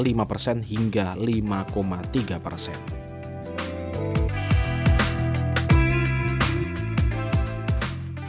kementerian keuangan perlambatan ini sejalan dengan siklus perekonomian yang biasanya melambat pada akhir tahun serta high base effect pada kuartal empat tahun lalu